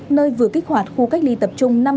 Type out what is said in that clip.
nơi vừa kích hoạt khu cách ly tập trung